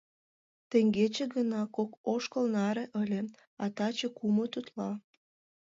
Теҥгече гына кок ошкыл наре ыле, а таче — кумыт утла.